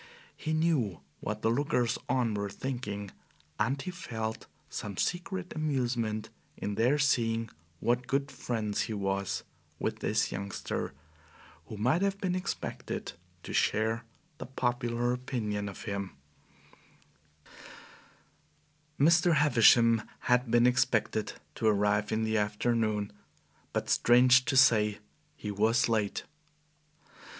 He knew what the lookers on were thinking, and he felt some secret amusement in their seeing what good friends he was with this youngster, who might have been expected to share the popular opinion of him. Mr. Havisham had been expected to arrive in the afternoon, but, strange to say, he was late.